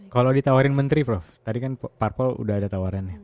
kalau ditawarkan menteri prof tadi kan pak pol sudah ada tawarannya